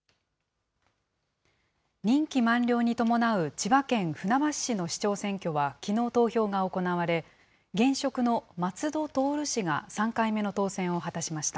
任期満了に伴う千葉県船橋市の市長選挙はきのう投票が行われ、現職の松戸徹氏が３回目の当選を果たしました。